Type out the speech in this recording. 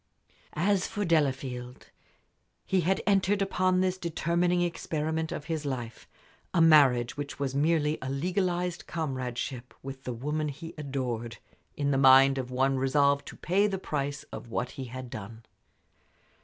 As for Delafield, he had entered upon this determining experiment of his life a marriage, which was merely a legalized comradeship, with the woman he adored in the mind of one resolved to pay the price of what he had done.